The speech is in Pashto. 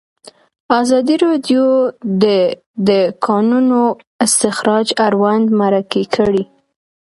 ازادي راډیو د د کانونو استخراج اړوند مرکې کړي.